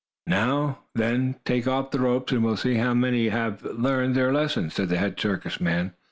"Now then, take off the ropes, and we'll see how many have learned their lesson," said the head circus man.